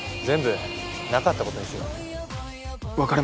全部なかったことにしよう。